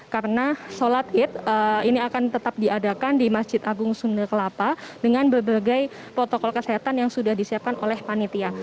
karena sholat id ini akan tetap diadakan di masjid agung sunda kelapa dengan berbagai protokol kesehatan yang sudah disiapkan oleh panitia